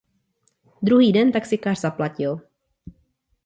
Druhý den taxikář zaplatil.